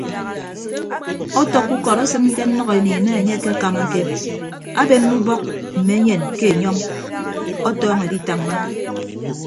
Ọtọkkọ ukọd esịn ke nnʌkeniin enye akekamake abenne ubọk mme enyen ke enyọñ ọtọọñọ editañña.